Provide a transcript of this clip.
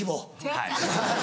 はい。